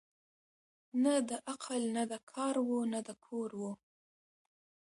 نه د عقل نه د کار وه نه د کور وه